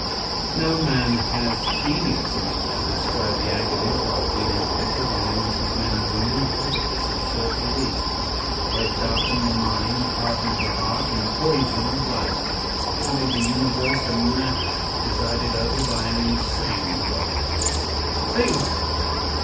No man has genius enough to describe the agonies that have been inflicted on innocent men and women because of this absurd belief. How it darkened the mind, hardened the heart, and poisoned life! It made the Universe a madhouse presided over by an insane God. Think!